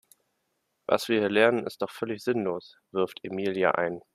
Was wir hier lernen ist doch völlig sinnlos, wirft Emilia ein.